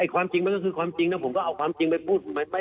ความจริงมันก็คือความจริงนะผมก็เอาความจริงไปพูด